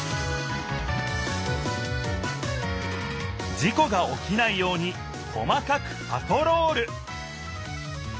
事故がおきないように細かくパトロール！